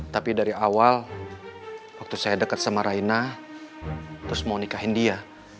tapi dari awal waktu saya dekat sama raina terus mau nikahin dia